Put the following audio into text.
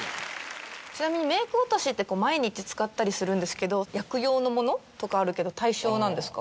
ちなみにメーク落としって毎日使ったりするんですけど薬用のものとかあるけど対象なんですか？